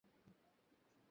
হুম, জানি তো।